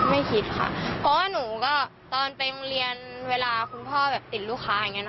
ไม่คิดค่ะเพราะว่าหนูก็ตอนไปโรงเรียนเวลาคุณพ่อแบบติดลูกค้าอย่างนี้เน